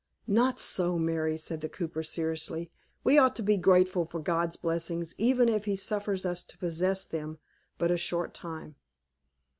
"Not so, Mary," said the cooper, seriously. "We ought to be grateful for God's blessings, even if he suffers us to possess them but a short time.